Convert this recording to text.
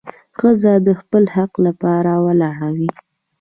ښځه د خپل حق لپاره ولاړه وي.